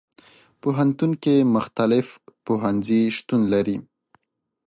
پوهنتون کې مختلف پوهنځي شتون لري.